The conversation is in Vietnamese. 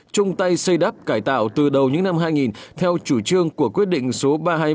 chung tay xây đắp cải tạo từ đầu những năm hai nghìn theo chủ trương của quyết định số ba trăm hai mươi